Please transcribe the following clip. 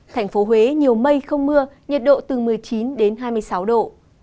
thành phố huế nhiều mây không mưa nhiệt độ từ một mươi chín đến hai mươi sáu độ